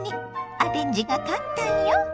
アレンジが簡単よ。